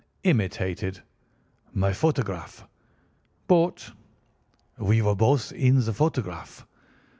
"Imitated." "My photograph." "Bought." "We were both in the photograph."